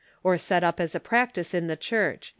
or set up as a practice in the Church."